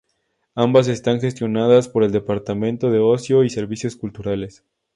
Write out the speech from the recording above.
Ambas están gestionadas por el Departamento de Ocio y Servicios Culturales.